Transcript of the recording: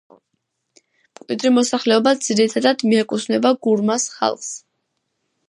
მკვიდრი მოსახლეობა ძირითადად მიეკუთვნება გურმას ხალხს.